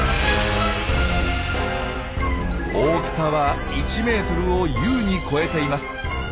大きさは１ｍを優に超えています。